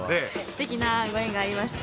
素敵なご縁がありました。